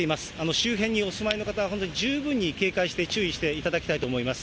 周辺にお住まいの方は本当に十分に警戒して、注意していただきたいと思います。